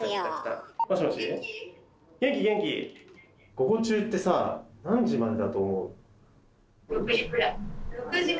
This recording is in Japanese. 「午後中」ってさ何時までだと思う？